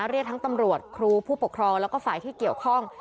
เรียกทั้งตำรวจครูผู้ปกครองแล้วก็ฝ่ายที่เกี่ยวข้อง